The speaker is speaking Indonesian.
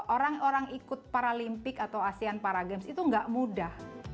orang orang ikut paralimpik atau asean paragames itu nggak mudah